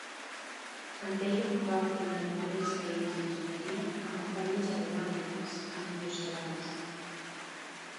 En Taylor va obtenir diferents feines d'enginyeria amb companyies aeronàutiques amb millors salaris.